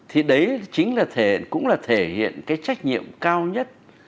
thì đấy chính là cũng là thể hiện cái trách nhiệm cao nhất